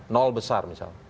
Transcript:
nol besar misalnya